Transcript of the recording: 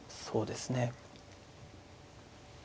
そうですね。